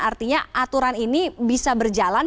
artinya aturan ini bisa berjalan